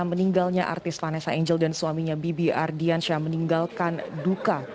meninggalnya artis vanessa angel dan suaminya bibi ardiansyah meninggalkan duka